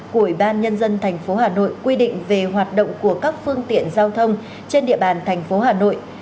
của ủy ban nhân dân tp hà nội quy định về hoạt động của các phương tiện giao thông trên địa bàn thành phố hà nội